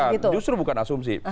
bukan justru bukan asumsi